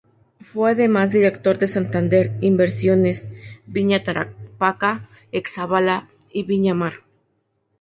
Fue además director de Santander Inversiones, Viña Tarapacá ex Zavala, y Viña Mar.